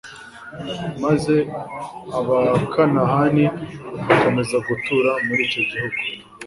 maze abakanahani bakomeza gutura muri icyo gihugu